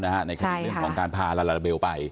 ในคดีเรื่องของการพาลาลาเบลไป